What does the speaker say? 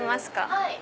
はい。